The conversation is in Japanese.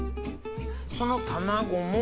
その卵も？